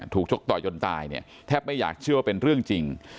ชกต่อยจนตายเนี่ยแทบไม่อยากเชื่อว่าเป็นเรื่องจริง